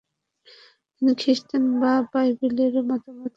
তিনি খ্রিস্টান বা বাইবেলের মতামতকে প্রচার করেননি।